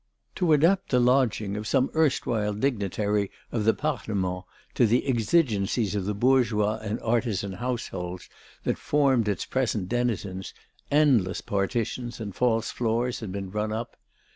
To adapt the lodging of some erstwhile dignitary of the Parlement to the exigencies of the bourgeois and artisan households that formed its present denizens, endless partitions and false floors had been run up.